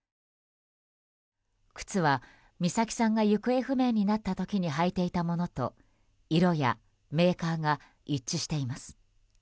靴は美咲さんが行方不明になった時に履いていたものと色やメーカーが一致しています。